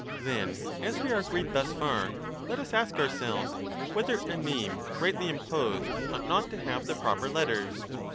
Then as we are agreed thus far, let us ask ourselves whether a name rightly imposed ought not to have the proper letters.